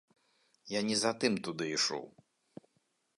Я не за тым туды ішоў.